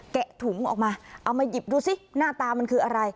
แกะถุงออกมาเอามาหยิบดูสิหน้าตามันคืออะไร